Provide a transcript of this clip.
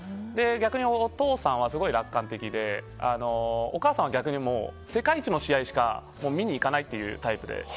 逆にお父さんは、すごく楽観的でお母さんは逆に世界一の試合しか見に行かないというタイプで。